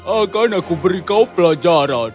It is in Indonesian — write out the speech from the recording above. akan aku beri kau pelajaran